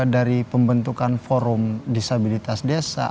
dari pembentukan forum disabilitas desa